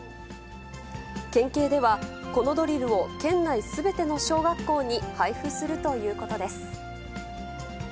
県警では、このドリルを県内すべての小学校に配布するということです。